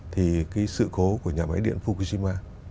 thì cái sự cố của nhà máy điện fukushima